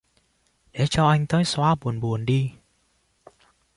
Để cho anh tới xóa buồn buồn đi